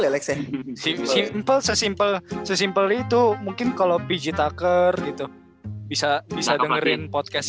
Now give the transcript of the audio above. ya lex yang simpel sesimpel sesimpel itu mungkin kalau biji taker gitu bisa bisa dengerin podcast